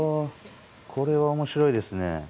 これは面白いですね。